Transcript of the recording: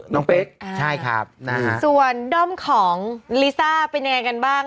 เป๊กใช่ครับนะฮะส่วนด้อมของลิซ่าเป็นยังไงกันบ้าง